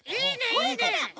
これかな？